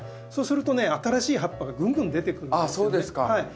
そうするとね新しい葉っぱがぐんぐん出てくるんですよね。